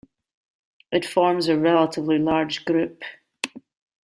It forms a relatively large group.